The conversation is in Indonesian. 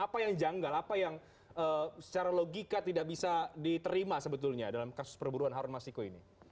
apa yang janggal apa yang secara logika tidak bisa diterima sebetulnya dalam kasus perburuan harun masiku ini